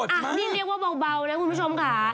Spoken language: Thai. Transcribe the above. อันนี้เรียกว่าเบานะคุณผู้ชมค่ะ